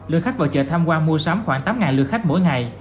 lượng khách vào chợ tham quan mua sắm khoảng tám lượt khách mỗi ngày